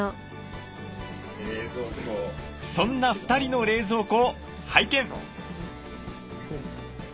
そんな２人の冷蔵庫を拝見！